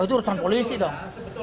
itu urusan polisi dong